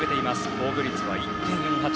防御率は１．４８。